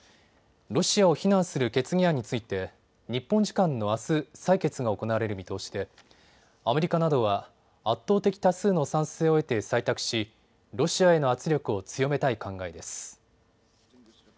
ロシアを非難する決議案について日本時間のあす採決が行われる見通しでアメリカなどは圧倒的多数の賛成を得て採択しロシアへの圧力を強めたい考えです。